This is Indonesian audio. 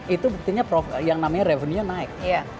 itu buktinya yang namanya revenue naik